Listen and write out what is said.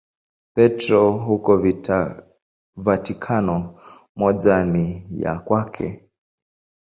Petro huko Vatikano, moja ni ya kwake.